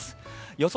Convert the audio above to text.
予想